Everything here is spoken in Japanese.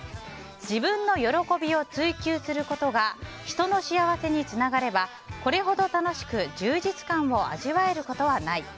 自分の喜びを追求することが人の幸せにつながればこれほど楽しく充実感を味わえることはない。